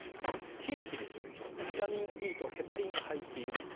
ヒリヒリする人ビタミンＥとヘパリンが入っているもの。